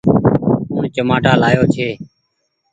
ڪوڻ چمآٽآ لآيو ڇي۔